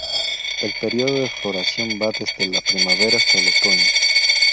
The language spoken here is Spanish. El período de floración va desde la primavera hasta el otoño.